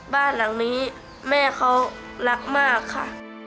บ้านหลังนี้แม่เขารักมากค่ะ